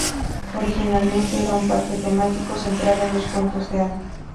Originalmente, era un parque temático centrado en los cuentos de hadas.